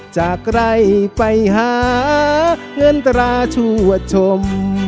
จากใครไปหาเงินตราชวดชม